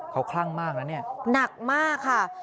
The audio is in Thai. เขาคลั่งมากนะเนี่ยหนักมากค่ะ